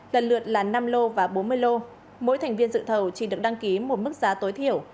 lần lượt là năm lô và bốn mươi lô mỗi thành viên dự thầu chỉ được đăng ký một mức giá tối thiểu